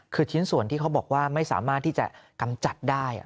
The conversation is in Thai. คือชิ้นส่วนที่เขาบอกว่าไม่สามารถที่จะกำจัดได้